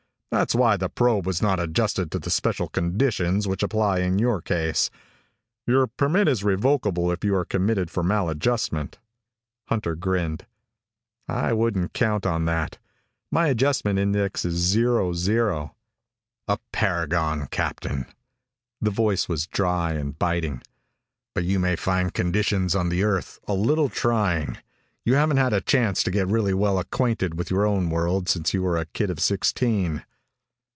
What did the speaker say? That's why the probe was not adjusted to the special conditions which apply in your case. Your permit is revocable if you are committed for maladjustment." Hunter grinned. "I wouldn't count on that. My adjustment index is zero zero." "A paragon, Captain." The voice was dry and biting. "But you may find conditions on the Earth a little trying. You haven't had a chance to get really well acquainted with your own world since you were a kid of sixteen."